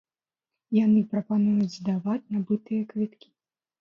Яны прапануюць здаваць набытыя квіткі.